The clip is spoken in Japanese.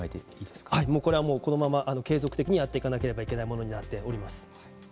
これはこのまま継続的にやっていかなければいけないものになっております。